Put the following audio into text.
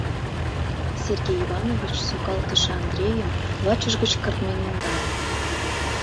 Сергей Иванович сукалтыше Андрейым вачыж гыч кыртмен ӧндале.